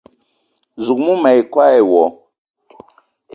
Zouk mou ma yi koo e wo